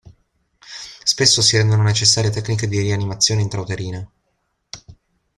Spesso si rendono necessarie tecniche di rianimazione intrauterina.